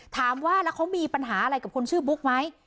ถามว่าแล้วเขามีปัญหาอะไรกับคนชื่อบุ๊กไหม